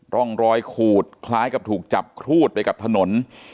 ร่องรอยขูดคล้ายกับถูกจับครูดไปกับถนน